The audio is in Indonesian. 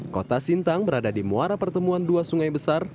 kota sintang berada di muara pertemuan dua sungai besar